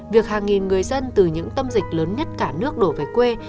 việc hàng nghìn người dân từ những tâm dịch lớn nhất cả nước đổ về quê